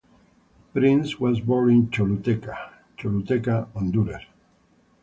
Prince was born in Choluteca, Choluteca, Honduras.